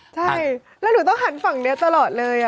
ใช่แล้วหนูต้องหันฝั่งนี้ตลอดเลย